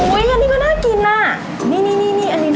อุ้ยอันนี้ก็น่ากินอ่ะนี่อันนี้ด้วย